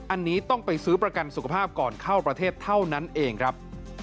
อันนี้ต้องไปซื้อประกันสุขภาพก่อนเข้าประเทศเท่านั้นเองครับ